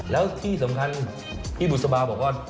แล้วที่สำคัญพี่บุษบาบอกว่า